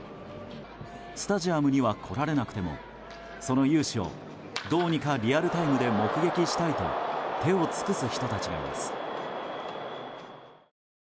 スタジアムには来られなくてもその雄姿をどうにかリアルタイムで目撃したいと手を尽くす人たちがいます。